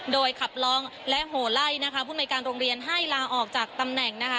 โดยขับร้องและโหไล่ผู้ในการโรงเรียนให้ลาออกจากตำแหน่ง